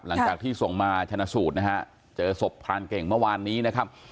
หลังจากที่ส่งมาชนะสูตรนะฮะเจอศพพรานเก่งเมื่อวานนี้นะครับ